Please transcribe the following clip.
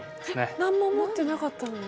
何も持ってなかったのに。